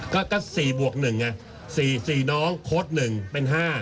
ก็๔บวก๑ไง๔น้องโค้ด๑เป็น๕